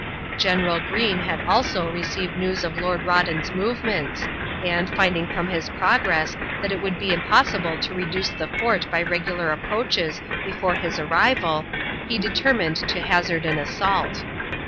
General Greene had also received news of Lord Rawdon's movements, and, finding from his progress that it would be impossible to reduce the fort by regular approaches before his arrival, he determined to hazard an assault.